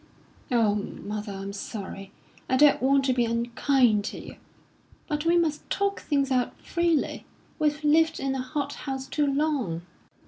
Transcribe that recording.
"Oh, mother, I'm sorry; I don't want to be unkind to you. But we must talk things out freely; we've lived in a hot house too long."